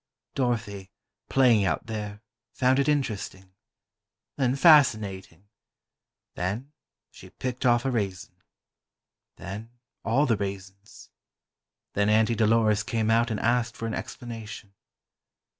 Dorothy, playing out there, found it interesting. Then fascinating. Then she picked off a raisin. Then all the raisins. Then Auntie Dolores came out and asked for an explanation.